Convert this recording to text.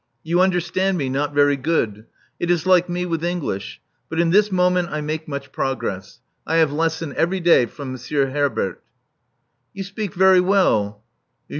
You understand me not very goodh. It is like me with English. But in this moment I make much progress. I have lesson every day from Monsieur Herbert." You speak very well.